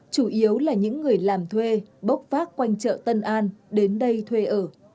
chủ yếu là những người làm thuê bốc vác quanh chợ tân an đến đây thuê ở